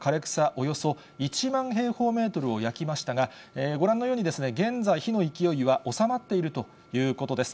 およそ１万平方メートルを焼きましたが、ご覧のように、現在、火の勢いは収まっているということです。